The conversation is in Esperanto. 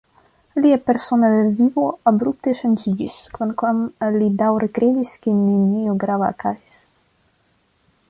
Lia persona vivo abrupte ŝanĝiĝis, kvankam li daŭre kredis, ke nenio grava okazis.